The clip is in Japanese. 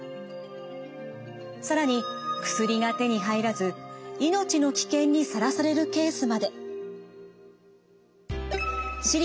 更に薬が手に入らず命の危険にさらされるケースまで。